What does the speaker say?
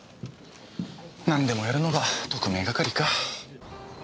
なんでもやるのが特命係か。